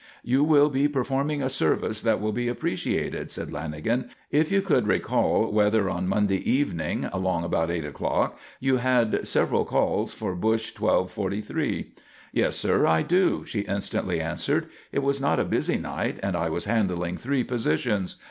"You will be performing a service that will be appreciated," said Lanagan, "if you could recall whether on Monday evening, along about 8 o'clock, you had several calls for Bush 1243?" "Yes, sir, I do," she instantly answered. "It was not a busy night and I was handling three positions.